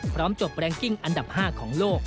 จบแรงกิ้งอันดับ๕ของโลก